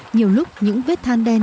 nhiều lúc những vết than đen